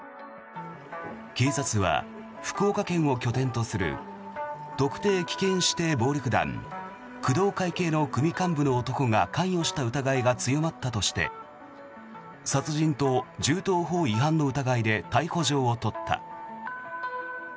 警察は福岡県を拠点とする特定危険指定暴力団工藤会系の組幹部の男が関与した疑いが強まったとして殺人と銃刀法違反の疑いで逮捕状を取った。